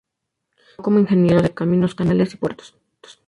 Se graduó como ingeniero de caminos, canales y puertos.